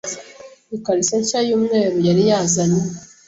ikariso nshya y'umweru yari yazanye